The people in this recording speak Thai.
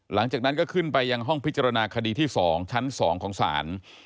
หลังจากนั้นก็ขึ้นไปยังห้องพิจารณาคดีที่๒ชั้น๒ของศาล